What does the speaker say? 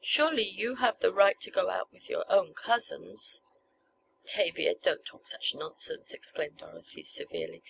Surely you have the right to go out with your own cousins?" "Tavia, don't talk such nonsense!" exclaimed Dorothy severely.